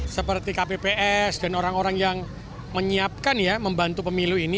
seperti kpps dan orang orang yang menyiapkan ya membantu pemilu ini